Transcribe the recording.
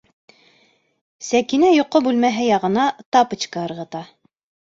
Сәкинә йоҡо бүлмәһе яғына тапочка ырғыта.